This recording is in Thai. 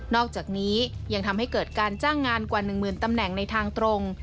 อกจากนี้ยังทำให้เกิดการจ้างงานกว่า๑หมื่นตำแหน่งในทางตรง